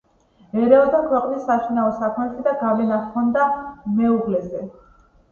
ერეოდა ქვეყნის საშინაო საქმეებში და გავლენა ჰქონდა მეუღლეზე.